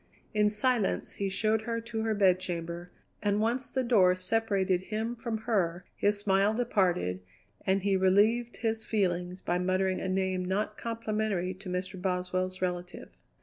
In silence he showed her to her bedchamber, and once the door separated him from her his smile departed and he relieved his feelings by muttering a name not complimentary to Mr. Boswell's relative.